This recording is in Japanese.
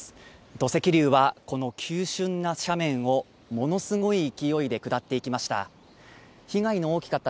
土石流は、この急峻な斜面をものすごい勢いで下っていきました。